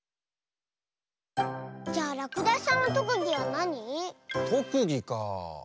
じゃあらくだしさんのとくぎはなに？とくぎかあ。